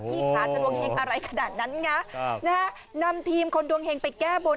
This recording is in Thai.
ยิงพลาดมาดวงเฮงอะไรขนาดนั้นนะฮะนะฮะนำทีมคนดวงเฮงไปแก้บ่น